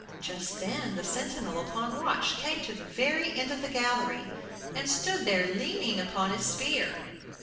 Just then the sentinel upon watch came to the very end of the gallery and stood there leaning upon his spear.